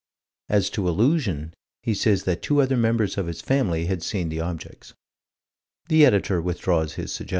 As to illusion he says that two other members of his family had seen the objects. The Editor withdraws his suggestion.